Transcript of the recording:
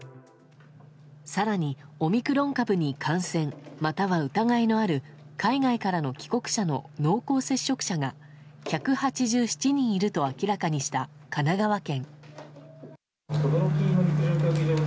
更に、オミクロン株に感染または疑いのある海外からの帰国者の濃厚接触者が１８７人いると明らかにした神奈川県。